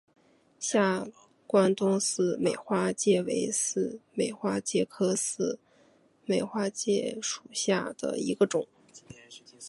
下关东似美花介为似美花介科似美花介属下的一个种。